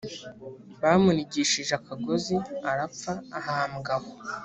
bamunigishije akagozi arapfa ahambwa aho